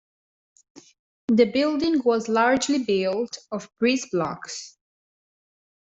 The building was largely built of breezeblocks